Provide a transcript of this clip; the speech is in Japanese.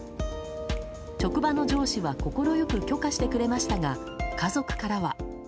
職場の上司は快く許可してくれましたが家族からは。